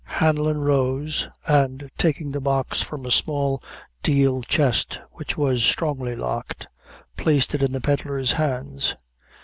Hanlon rose and taking the Box from a small deal chest which was strongly locked, placed it in the pedlar's hands.